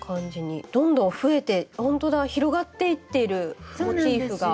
どんどん増えてほんとだ広がっていっているモチーフが。